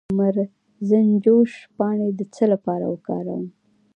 د مرزنجوش پاڼې د څه لپاره وکاروم؟